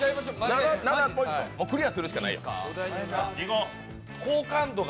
もうクリアするしかないよ。